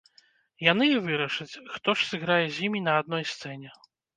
Яны і вырашаць, хто ж сыграе з імі на адной сцэне.